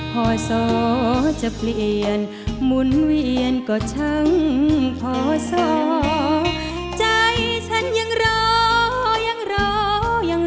พอสอเคลื่อนไปเคลื่อนไปโอบร่อยมาแนบทิ้ง